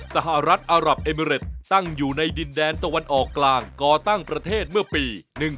สหรัฐอารับเอเมริตตั้งอยู่ในดินแดนตะวันออกกลางก่อตั้งประเทศเมื่อปี๑๒